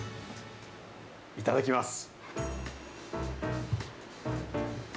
いただきます。